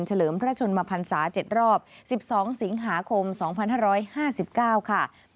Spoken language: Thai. เลิมพระชนมพันศา๗รอบ๑๒สิงหาคม๒๕๕๙ค่ะ